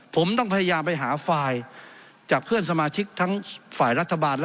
ผมต้องพยายามไปหาฝ่ายจากเพื่อนสมาชิกทั้งฝ่ายรัฐบาล